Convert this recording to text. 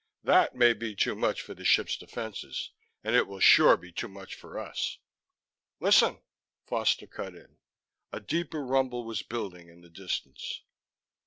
"That may be too much for the ship's defenses and it will sure be too much for us " "Listen," Foster cut in. A deeper rumble was building in the distance.